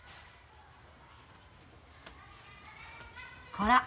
こら。